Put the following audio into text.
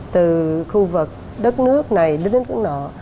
từ khu vực đất nước này đến đất nước nọ